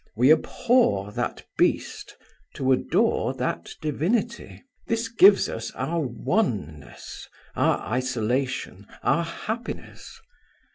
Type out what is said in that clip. We abhor that beast to adore that divinity. This gives us our oneness, our isolation, our happiness.